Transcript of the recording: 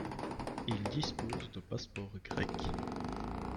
Il dispose d'un passeport grec.